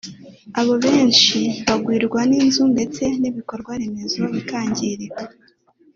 aho benshi bagwirwa n’inzu ndetse n’ibikorwa remezo bikangirika